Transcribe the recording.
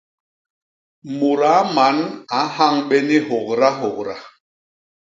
Mudaa man a nhañ bé ni hôgdahôgda.